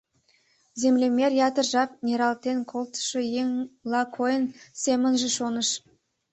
Землемер ятыр жап, нералтен колтышо еҥла койын, семынже шоныш.